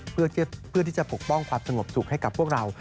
เพื่อที่จะปกป้องความสงบสุขให้กับพวกเรา